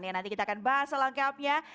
ya nanti kita akan bahas selengkapnya